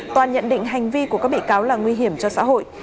toàn nhận định hành vi của các bị cáo là nguy hiểm cho xã hội